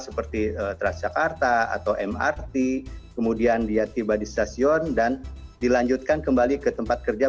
seperti transjakarta atau mrt kemudian dia tiba di stasiun dan dilanjutkan kembali ke tempat kerja